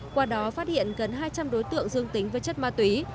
qua đó phát hiện gần hai trăm linh đối tượng dương tính với chất ma túy